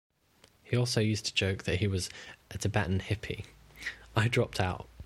He also used to joke that he was a Tibetan hippie: I dropped out!